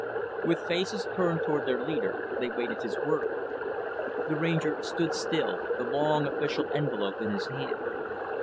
With faces turned toward their leader, they waited his word. The Ranger stood still, the long official envelope in his hand.